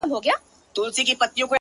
پښتنو انجونو کي حوري پيدا کيږي ـ